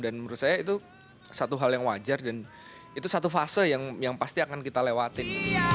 dan menurut saya itu satu hal yang wajar dan itu satu fase yang pasti akan kita lewatin